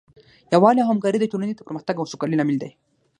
یووالی او همکاري د ټولنې د پرمختګ او سوکالۍ لامل دی.